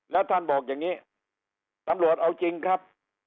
แล้วท่านบอกอย่างนี้ตำรวจเอาจริงครับ